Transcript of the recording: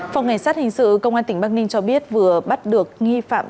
phòng cảnh sát hình sự công an tỉnh bắc ninh cho biết vừa bắt được nghi phạm